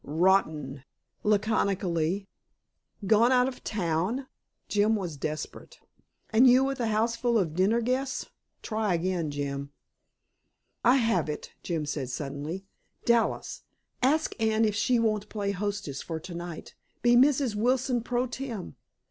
"Rotten!" laconically. "Gone out of town?" Jim was desperate. "And you with a houseful of dinner guests! Try again, Jim." "I have it," Jim said suddenly. "Dallas, ask Anne if she won't play hostess for tonight. Be Mrs. Wilson pro tem.